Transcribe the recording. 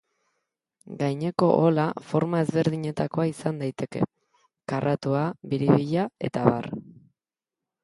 Gaineko ohola forma ezberdinetakoa izan daiteke: karratua, biribila, eta abar.